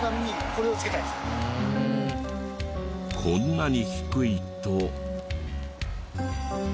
こんなに低いと。